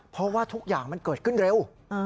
เพราะว่าทุกอย่างมันเกิดขึ้นเร็ว